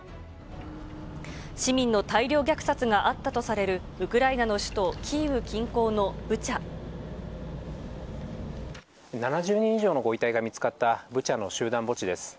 市民の大量虐殺があったとされるウクライナの首都キーウ近郊のブ７０人以上のご遺体が見つかったブチャの集団墓地です。